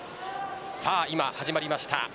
今、始まりました。